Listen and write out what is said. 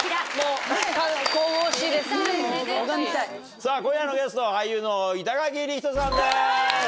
さぁ今夜のゲストは俳優の板垣李光人さんです！